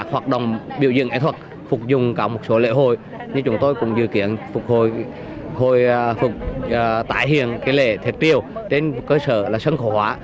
hội phục tải hiện cái lễ thiệt tiêu trên cơ sở là sân khổ hóa